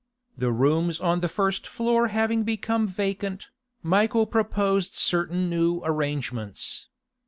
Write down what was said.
The rooms on the first floor having become vacant, Michael proposed certain new arrangements.